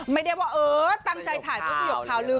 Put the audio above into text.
ไม่ได้ว่าเออตั้งใจถ่ายเพื่อจะหยกเผาเลย